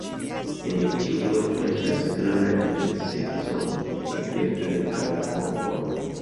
En tiu golfo estas granda diverseco de birdoj kaj fokoj.